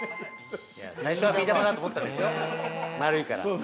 ◆最初はビー玉だと思ったんですよ、丸いから。